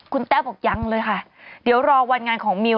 คุณแต้วบอกยังเลยค่ะเดี๋ยวรอวันงานของมิว